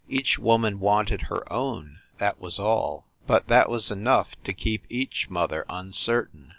Each woman wanted her own, that was all but that was enough to keep each mother uncertain.